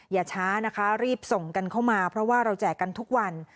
อย่าช้านะคะรีบส่งกันเข้ามาเพราะว่าเราแจกกันทุกวัน